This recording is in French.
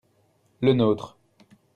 le nôtre.